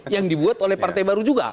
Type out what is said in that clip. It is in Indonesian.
yang dibuat oleh partai baru juga